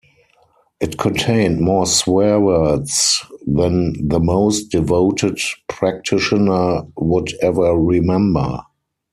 It contained more swear words than the most devoted practitioner would ever remember.